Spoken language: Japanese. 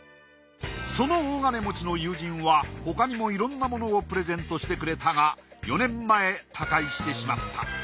その大金持ちの友人はほかにもいろんなものをプレゼントしてくれたが４年前他界してしまった。